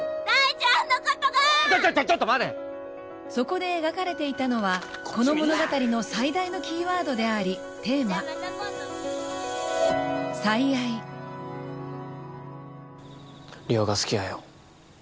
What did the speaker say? ちょちょちょちょっと待てそこで描かれていたのはこの物語の最大のキーワードでありテーマ梨央が好きやよ